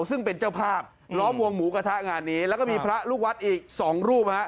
ซึ่งเป็นเจ้าภาพล้อมวงหมูกระทะงานนี้แล้วก็มีพระลูกวัดอีก๒รูป